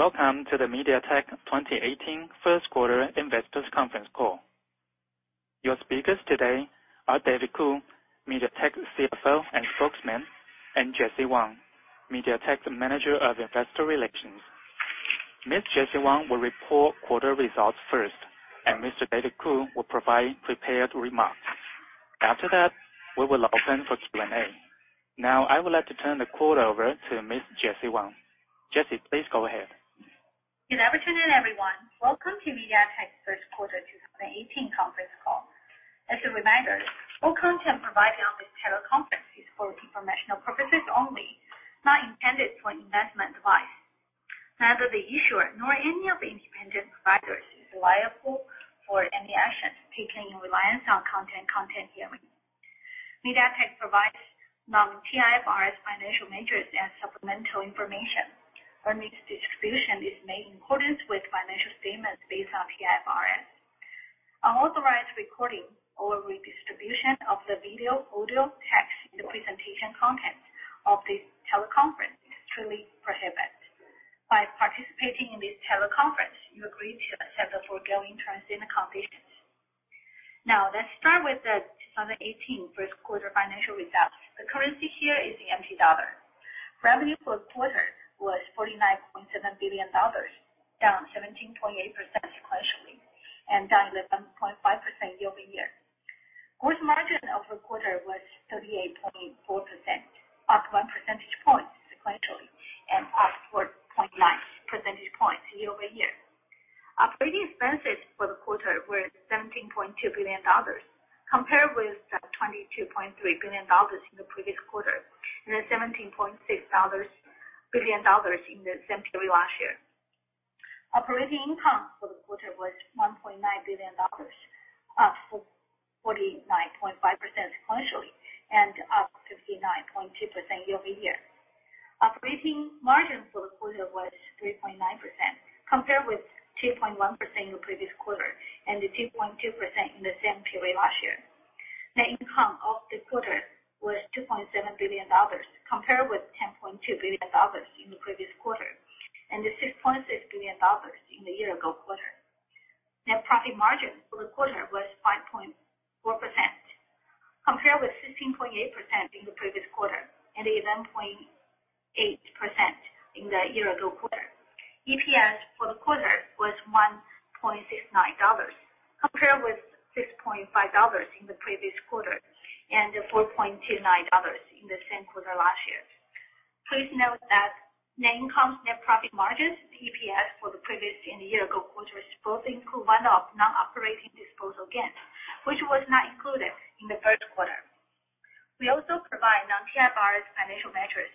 Welcome to the MediaTek 2018 first quarter investors conference call. Your speakers today are David Ku, MediaTek CFO and spokesman, and Jessie Wang, MediaTek Manager of Investor Relations. Ms. Jessie Wang will report quarter results first, and Mr. David Ku will provide prepared remarks. After that, we will open for Q&A. Now, I would like to turn the call over to Ms. Jessie Wang. Jessie, please go ahead. Good afternoon, everyone. Welcome to MediaTek's first quarter 2018 conference call. As a reminder, all content provided on this teleconference is for informational purposes only, not intended for investment advice. Neither the issuer nor any of the independent providers is liable for any actions taken in reliance on content covered herein. MediaTek provides non-T-IFRS financial measures and supplemental information wherein its distribution is made in accordance with financial statements based on T-IFRS. Unauthorized recording or redistribution of the video, audio, text in the presentation content of this teleconference is strictly prohibited. By participating in this teleconference, you agree to accept the foregoing terms and conditions. Now, let's start with the 2018 first quarter financial results. The currency here is the TWD. Revenue for the quarter was 49.7 billion dollars, down 17.8% sequentially, and down 11.5% year-over-year. Gross margin of the quarter was 38.4%, up one percentage point sequentially, and up 4.9 percentage points year-over-year. Operating expenses for the quarter were 17.2 billion dollars, compared with 22.3 billion dollars in the previous quarter, and 17.6 billion dollars in the same period last year. Operating income for the quarter was 1.9 billion dollars, up 49.5% sequentially, and up 59.2% year-over-year. Operating margin for the quarter was 3.9%, compared with 2.1% in the previous quarter, and 2.2% in the same period last year. Net income of the quarter was 2.7 billion dollars, compared with 10.2 billion dollars in the previous quarter, and 6.6 billion dollars in the year-ago quarter. Net profit margin for the quarter was 5.4%, compared with 15.8% in the previous quarter, and 11.8% in the year-ago quarter. EPS for the quarter was 1.69 dollars, compared with 6.5 dollars in the previous quarter, and 4.29 dollars in the same quarter last year. Please note that net income, net profit margins, EPS for the previous and the year-ago quarters, both include one-off non-operating disposal gain, which was not included in the first quarter. We also provide non-T-IFRS financial measures,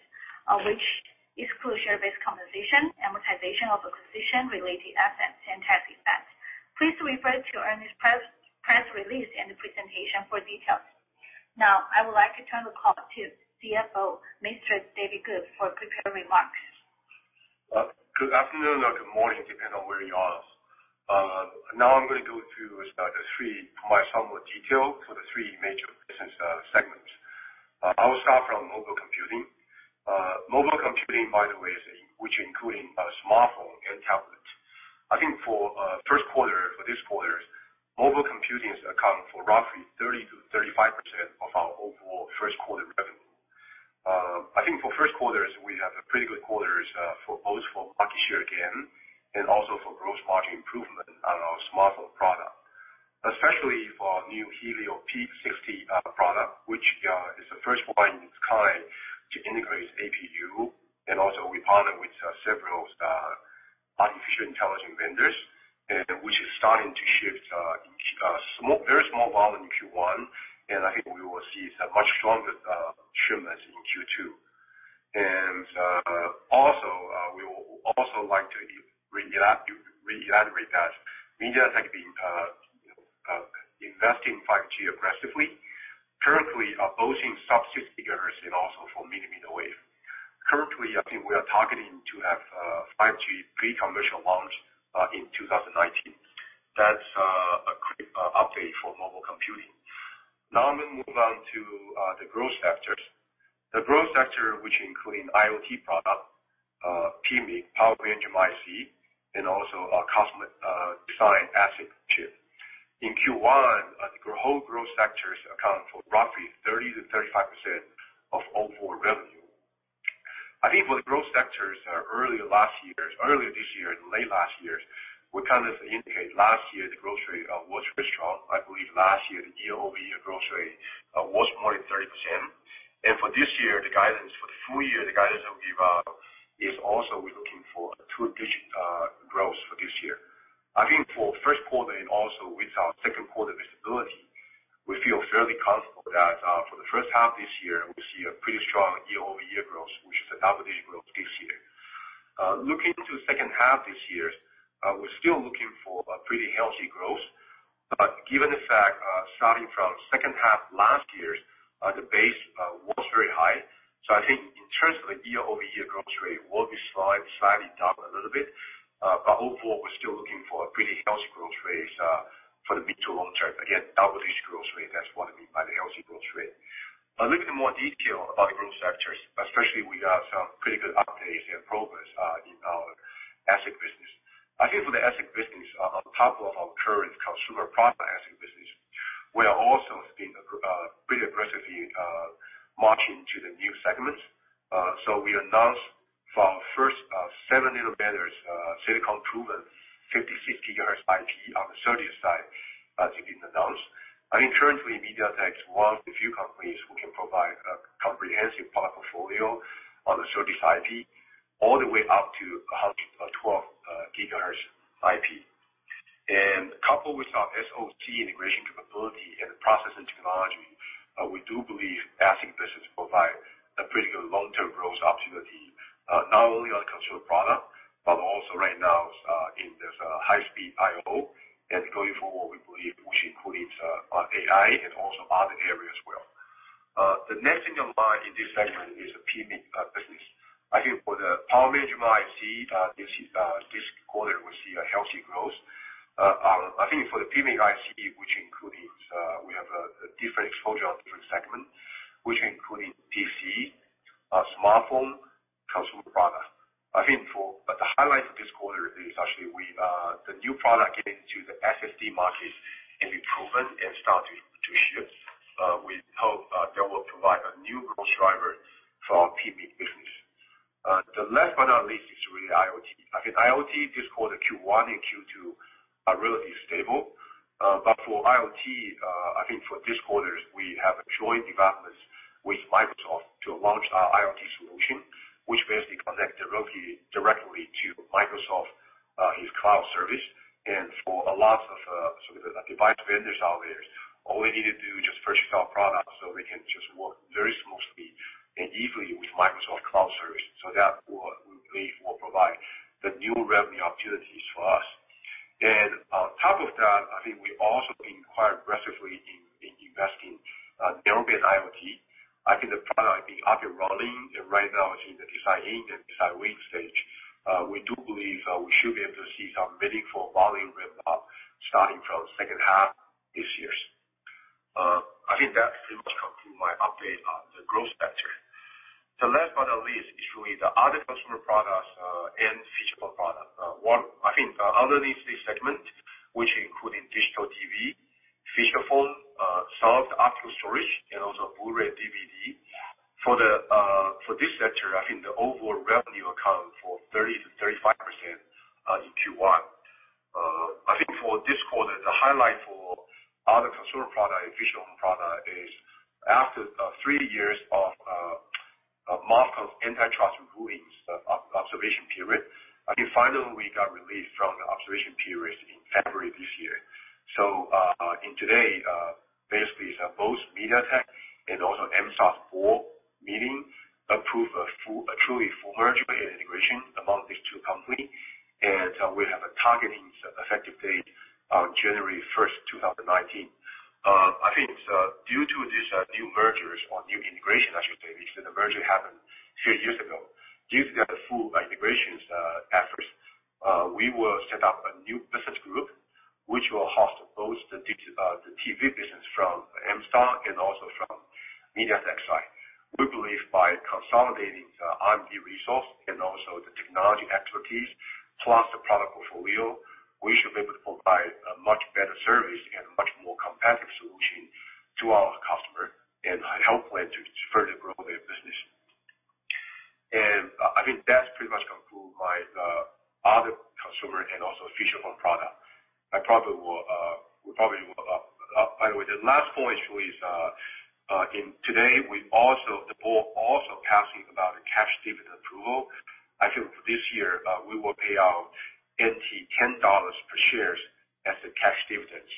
which exclude share-based compensation, amortization of acquisition related assets, and tax effects. Please refer to our press release and the presentation for details. Now, I would like to turn the call to CFO, Mr. David Ku, for prepared remarks. Good afternoon or good morning, depending on where you are. I'm going to go through the three, provide some more detail for the three major business segments. I will start from mobile computing. Mobile computing, by the way, which includes smartphone and tablet. For first quarter, for this quarter, mobile computing is accounting for roughly 30%-35% of our overall first quarter revenue. For first quarter, we have a pretty good quarters both for market share gain and also for gross margin improvement on our smartphone product. Especially for new Helio P60 product, which is the first one of its kind to integrate APU. We partner with several artificial intelligence vendors, which is starting to shift very small volume in Q1, and we will see a much stronger shipments in Q2. We will also like to reiterate that MediaTek been investing 5G aggressively, currently both in sub-6 GHz and also for millimeter wave. Currently, we are targeting to have 5G pre-commercial launch in 2019. That's a quick update for mobile computing. I'm going to move on to the growth sectors. The growth sector, which include IoT product, PMIC, power management IC, and also custom design ASIC chip. In Q1, the whole growth sectors account for roughly 30%-35% of overall revenue. For the growth sectors, earlier this year and late last year, we indicate last year the growth rate was very strong. Last year, the year-over-year growth rate was more than 30%. For this year, the guidance for the full year, the guidance that we give out, is also we're looking for a two-digit growth for this year. For first quarter and also with our second quarter visibility, we feel fairly comfortable that for the first half this year, we see a pretty strong year-over-year growth, which is a double-digit growth this year. Looking to second half this year, we're still looking for a pretty healthy growth. Given the fact, starting from second half last year, the base was very high. In terms of a year-over-year growth rate, we'll be slightly down a little bit. Overall, we're still looking for pretty healthy growth rates, for the mid to long term. Again, double-digit growth rate, that's what we mean by the healthy growth rate. A little bit more detail about the growth sectors, especially we have some pretty good updates and progress in our ASIC business. For the ASIC business, on top of our current consumer product ASIC business, we are also seeing pretty aggressively march into the new segments. We announced our first 7nm silicon-proven 50, 60 gigahertz IP on the SerDes side, as it's been announced. Currently MediaTek is one of the few companies who can provide a comprehensive product portfolio on the SerDes IP, all the way up to 112 gigahertz IP. Coupled with our SoC integration capability and the process and technology, we do believe ASIC business provide a pretty good long-term growth opportunity, not only on consumer product, but also right now in this high-speed I/O. Going forward, we believe we should put it on AI and also other areas as well. The next thing in mind in this segment is the PMIC business. I think for the power management IC, this quarter, we see a healthy growth. I think for the PMIC IC, we have a different exposure on different segments, which including PC, smartphone, consumer product. I think the highlight for this quarter is actually the new product getting into the SSD markets has been proven and start to ship. We hope that will provide a new growth driver for our PMIC business. Last but not least, is really IoT. I think IoT this quarter, Q1 and Q2, are relatively stable. For IoT, I think for this quarter, we have a joint development with Microsoft to launch our IoT solution, which basically connect directly to Microsoft, his cloud service. For a lot of device vendors out there, all they need to do is just purchase our product so they can just work very smoothly and easily with Microsoft cloud service. That we believe will provide the new revenue opportunities for us. On top of that, I think we also being quite aggressively in investing Narrowband IoT. I think the product will be up and running, and right now it's in the design in and design win stage. We do believe we should be able to see some meaningful volume ramp-up starting from second half this year. I think that pretty much concludes my update on the growth sector. Last but not least, is really the other consumer products and feature phone product. I think underneath this segment, which including digital TV, feature phone, solid state optical storage, and also Blu-ray DVD. For this sector, I think the overall revenue account for 30%-35% in Q1. I think for this quarter, the highlight for other consumer product and feature phone product is after three years of mark of antitrust ruling observation period, I think finally we got relief from the observation period in February this year. In today, basically the both MediaTek and also MStar board meeting approved a truly full merger and integration among these two company. We have a targeting effective date on January 1st, 2019. I think due to this new merger, or new integration I should say, because the merger happened three years ago. Due to their full integration efforts, we will set up a new business group which will host both the TV business from MStar and also from MediaTek's side. We believe by consolidating the R&D resource and also the technology expertise, plus the product portfolio, we should be able to provide a much better service and much more competitive solution to our customer and help them to further grow their business. I think that pretty much concludes my other consumer and also feature phone product. By the way, the last point is, in today, the board also passing about the cash dividend approval. I think for this year, we will pay out 10 dollars per share as the cash dividends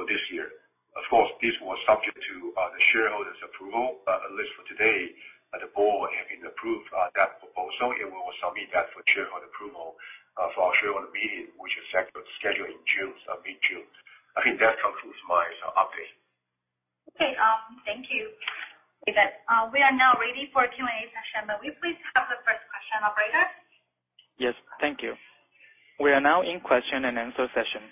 for this year. Of course, this was subject to the shareholders' approval. At least for today, the board have approved that proposal, and we will submit that for shareholder approval for our shareholder meeting, which is scheduled in mid-June. I think that concludes my update. Okay. Thank you,. We are now ready for Q&A session. May we please have the first question operator? Yes. Thank you. We are now in question and answer session.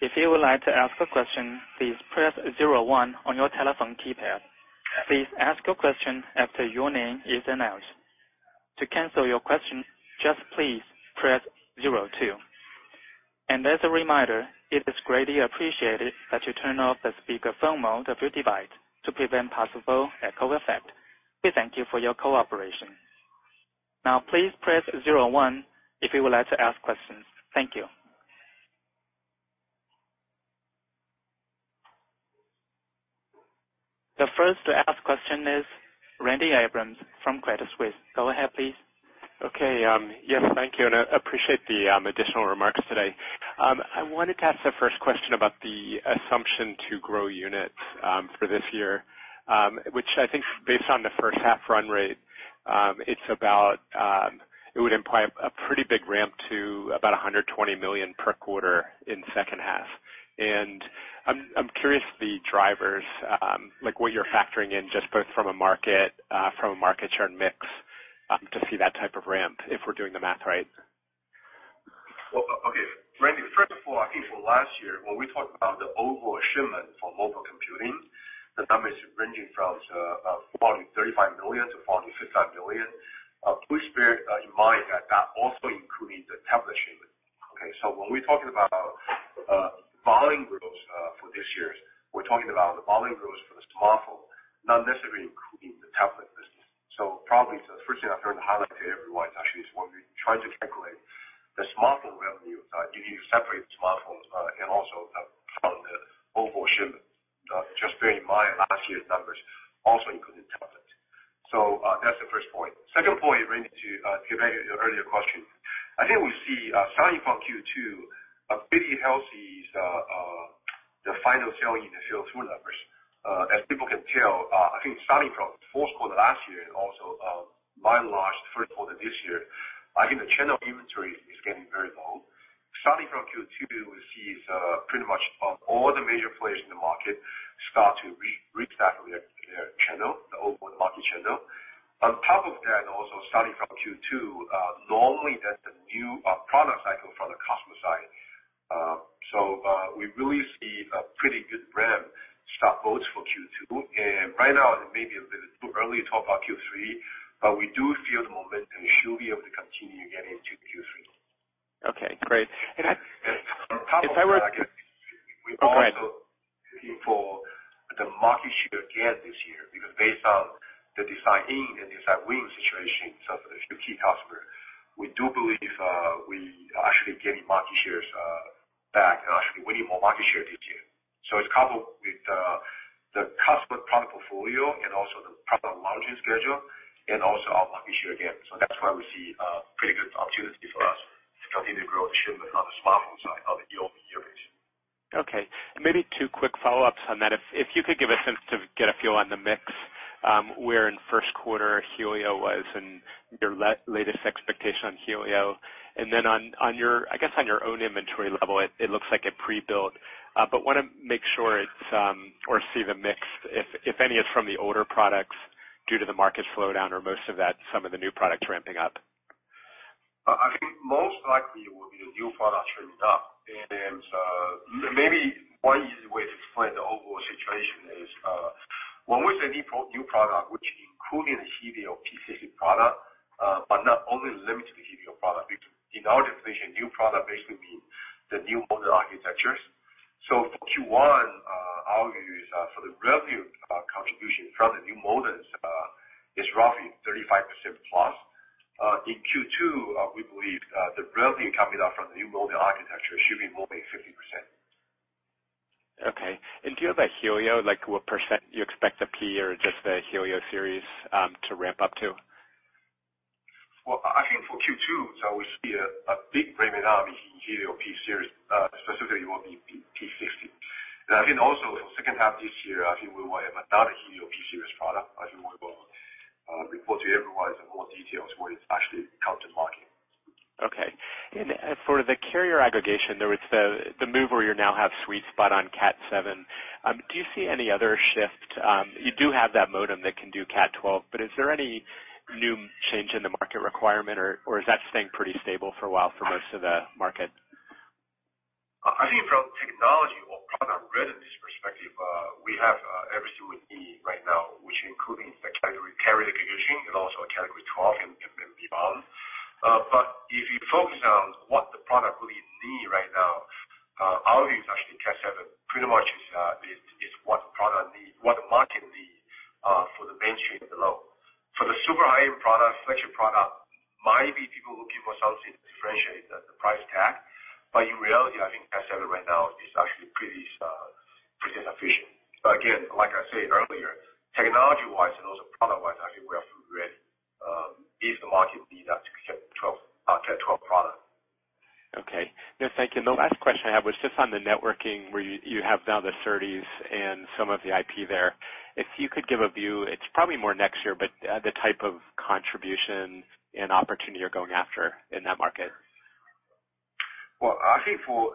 If you would like to ask a question, please press 01 on your telephone keypad. Please ask your question after your name is announced. To cancel your question, just please press 02. As a reminder, it is greatly appreciated that you turn off the speakerphone mode of your device to prevent possible echo effect. We thank you for your cooperation. Now, please press 01 if you would like to ask questions. Thank you. The first to ask question is Randy Abrams from Credit Suisse. Go ahead, please. Okay. Yes, thank you. I appreciate the additional remarks today. I wanted to ask the first question about the assumption to grow units for this year, which I think is based on the first half run rate. It would imply a pretty big ramp to about 120 million per quarter in the second half. I'm curious about the drivers, like what you're factoring in, just both from a market share and mix, to see that type of ramp, if we're doing the math right. Well, okay. Randy, first of all, I think for last year, when we talked about the overall shipment for mobile computing, the number is ranging from 435 million-455 million. Please bear in mind that that also included the tablet shipment. Okay? When we're talking about volume growth for this year, we're talking about the volume growth for the smartphone, not necessarily including the tablet business. Probably, the first thing I'm trying to highlight to everyone is actually when we try to calculate the smartphone revenue, you need to separate smartphones and also the part of the mobile shipment. Just bear in mind, last year's numbers also included tablets. That's the first point. Second point, Randy, to get back to your earlier question, I think we see, starting from Q2, a pretty healthy final selling into fill through numbers. As people can tell, I think starting from the fourth quarter last year and also mind last third quarter this year, I think the channel inventory is getting very low. Starting from Q2, we see pretty much all the major players in the market start to restack their channel, the overall market channel. On top of that, also starting from Q2, normally there's a new product cycle from the customer side. We really see a pretty good ramp to stock both for Q2. Right now, it may be a little too early to talk about Q3, but we do feel the momentum should be able to continue getting into Q3. Okay, great. On top of that. Go ahead. we're also looking for the market share again this year, because based on the Design Win and the Design Loss situations of the few key customer, we do believe we are actually getting market shares back and actually winning more market share this year. It's coupled with the customer product portfolio and also the product launching schedule and also our market share again. That's why we see a pretty good opportunity for us to continue to grow the shipment on the smartphone side on a year-over-year basis. Okay. Maybe two quick follow-ups on that. If you could give a sense to get a feel on the mix, where in first quarter Helio was and your latest expectation on Helio. Then, I guess, on your own inventory level, it looks like a pre-build. Want to make sure it's, or see the mix, if any is from the older products due to the market slowdown or most of that, some of the new products ramping up. I think most likely, it will be the new product ramping up. Maybe one easy way to explain the overall situation is, when we say new product, which including the Helio P series product, but not only limited to the Helio product. In our definition, new product basically means the new mobile architectures. For Q1, our view is for the revenue contribution from the new models is roughly 35%+. In Q2, we believe the revenue coming up from the new model architecture should be more than 50%. Okay. In terms of Helio, like what percent you expect the P or just the Helio series to ramp up to? Well, I think for Q2, we see a big ramp in our Helio P series, specifically will be P60. I think also in the second half of this year, I think we will have another Helio P series product, as we will report to everyone in more details when it actually comes to market. Okay. For the carrier aggregation, there was the move where you now have sweet spot on Cat7. Do you see any other shift? You do have that modem that can do Cat12, is there any new change in the market requirement, or is that staying pretty stable for a while for most of the market? I think from technology or product readiness perspective, we have everything we need right now, which including the category carrier aggregation and also a category 12 and beyond. If you focus on what the product really needs right now, our view is actually Cat7 pretty much is what the market needs for the mainstream alone. For the super high-end product, flagship product, might be people looking for something to differentiate the price tag. In reality, I think Cat7 right now is actually pretty sufficient. Again, like I said earlier, technology-wise and also product-wise, I think we are ready if the market needs that Cat12 product. Okay. No, thank you. The last question I have was just on the networking, where you have now the SerDes and some of the IP there. If you could give a view, it's probably more next year, the type of contribution and opportunity you're going after in that market. Well, I think for.